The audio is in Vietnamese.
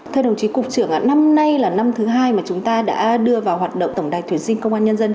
theo đồng chí cục trưởng năm nay là năm thứ hai mà chúng ta đã đưa vào hoạt động tổng đài tuyển sinh công an nhân dân